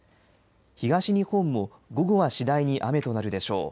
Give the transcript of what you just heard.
東日本も午後は次第に雨となるでしょう。